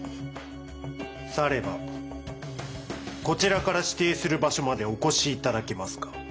さればこちらから指定する場所までお越し頂けますか？